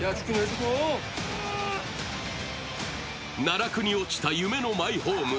奈落に落ちた夢のマイホーム。